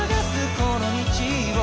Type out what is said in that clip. この道を」